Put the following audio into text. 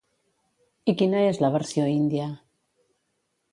I quina és la versió índia?